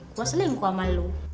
gua selingkuh sama lu